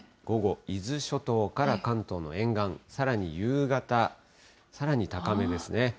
午後、伊豆諸島から関東の沿岸、さらに夕方、さらに高めですね。